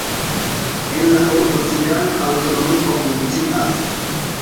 En la urbo cigana aŭtonomio funkcias.